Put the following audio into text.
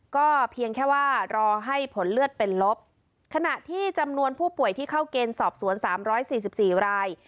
ก็เพียงแค่ว่ารอให้ผลเลือดเป็นลบขณะที่จำนวนผู้ป่วยที่เข้าเกณฑ์สอบสวน๓๔๔ราย